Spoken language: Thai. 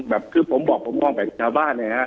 แบบคือผมบอกผมมองแบบชาวบ้านนะฮะ